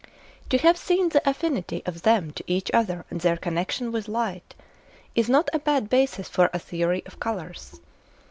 To have seen the affinity of them to each other and their connection with light, is not a bad basis for a theory of colours.